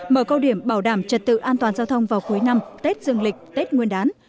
mở câu điểm bảo đảm trật tự an toàn giao thông vào cuối năm tết dương lịch tết nguyên đán